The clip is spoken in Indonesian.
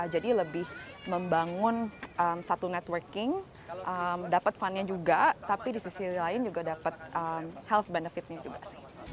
jadi lebih membangun satu networking dapat funnya juga tapi di sisi lain juga dapat health benefitsnya juga sih